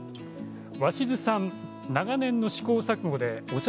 鷲巣さん、長年の試行錯誤でお茶